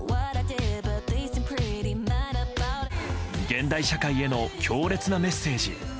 現代社会への強烈なメッセージ。